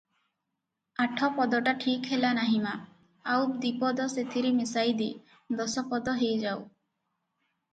"ଆଠ ପଦଟା ଠିକ୍ ହେଲା ନାହିଁ ମା, ଆଉ ଦିପଦ ସେଥିରେ ମିଶାଇ ଦେ- ଦଶପଦ ହେଇଯାଉ ।